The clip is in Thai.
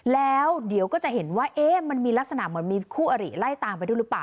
แล้วเดี๋ยวก็จะเห็นว่ามันมีลักษณะเหมือนมีคู่อริไล่ตามไปด้วยหรือเปล่า